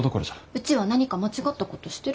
うちは何か間違ったことしてる？